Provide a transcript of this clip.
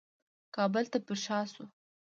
کابل ته پرشا شو.